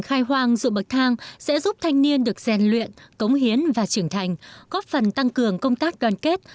khai hoang ruộng bậc thang sẽ giúp thanh niên được rèn luyện cống hiến và trưởng thành góp phần tăng cường công tác đoàn kết